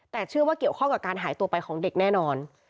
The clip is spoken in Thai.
แต่เชื่อว่าเกี่ยวข้องกับการหายตัวไปของเด็กแน่นอน